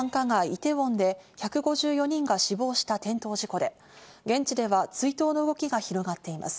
イテウォンで１５４人が死亡した転倒事故で、現地では追悼の動きが広がっています。